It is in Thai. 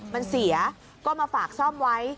มันเสียก็มาฝากซ่อมไว้